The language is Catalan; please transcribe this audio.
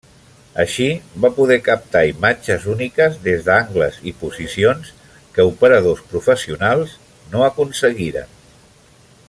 Així va poder captar imatges úniques des d'angles i posicions que operadors professionals no aconseguiren.